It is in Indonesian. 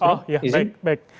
oh ya baik